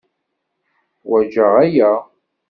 Ḥwajeɣ aya.